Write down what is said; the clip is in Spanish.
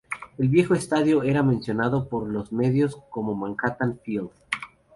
El viejo estadio era mencionado por los medios como ""Manhattan Field"".